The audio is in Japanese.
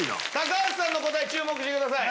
橋さんの答え注目してください。